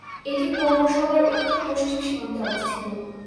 এটি পৌরসভার উত্তর-পশ্চিম সীমান্তে অবস্থিত।